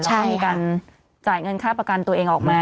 แล้วก็มีการจ่ายเงินค่าประกันตัวเองออกมา